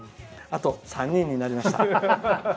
あと３人になりました。